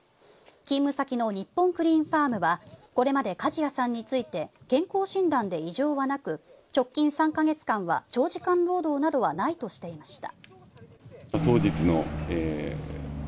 勤務先の日本クリーンファームはこれまで梶谷さんについて健康診断で異常はなく直近３か月間は長時間労働などはないとしていました。